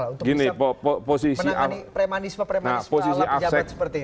untuk bisa menangani premanisme premanisme alam pejabat seperti ini